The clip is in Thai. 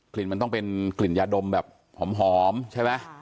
ลิ่นมันต้องเป็นกลิ่นยาดมแบบหอมใช่ไหม